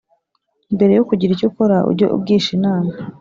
mbere yo kugira icyo ukora, ujye ugisha inama.